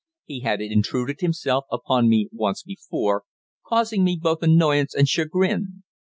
He had intruded himself upon me once before, causing me both annoyance and chagrin.